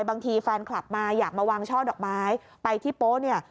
แฟนคลับมาอยากมาวางช่อดอกไม้ไปที่โป๊ะเนี่ย